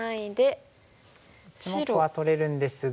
その１個は取れるんですが。